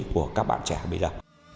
của các bạn trẻ bây giờ